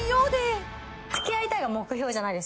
「付き合いたい」が目標じゃないですか。